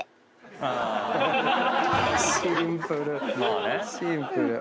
シンプル。